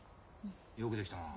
よくできたな。